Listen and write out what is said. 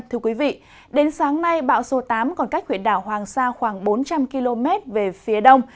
thưa quý vị đến sáng nay bão số tám còn cách huyện đảo hoàng sa khoảng bốn trăm linh km về phía đông